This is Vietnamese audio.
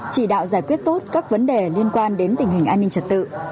chỉ đạo giải quyết tốt các vấn đề liên quan đến tình hình an ninh trật tự